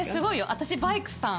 私バイクさん！